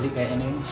jadi kayak gini